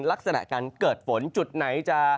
ลักษณะการเกิดฝนจุดไหนจะ